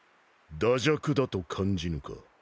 惰弱だと感じぬか？